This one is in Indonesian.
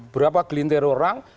berapa gelintir orang